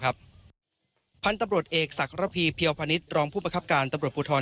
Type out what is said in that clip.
พันธุ์ตำรวจเอกศักระพีเพียวพนิษฐรองผู้ประคับการตำรวจภูทร